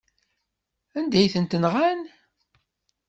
Anda ay tent-nɣan?